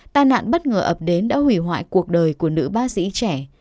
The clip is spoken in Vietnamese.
tai nạn bất ngờ ập đến đã hủy hoại cuộc đời của nữ bác sĩ trẻ